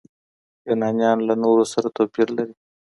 يونانيان له نورو سره توپير لري.